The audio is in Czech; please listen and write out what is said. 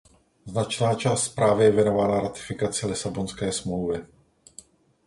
Značná část zprávy je věnována ratifikaci Lisabonské smlouvy.